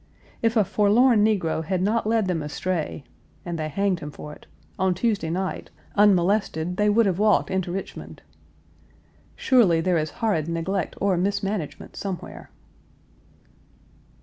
If a forlorn negro had not led them astray (and they hanged him for it) on Tuesday night, unmolested, they Page 294 would have walked into Richmond. Surely there is horrid neglect or mismanagement somewhere.